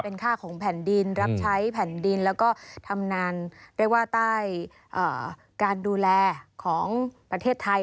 ค่าของแผ่นดินรับใช้แผ่นดินแล้วก็ทำนานเรียกว่าใต้การดูแลของประเทศไทย